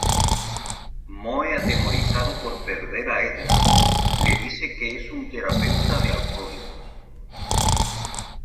Moe, atemorizado por perder a Edna, le dice que es un terapeuta de alcohólicos.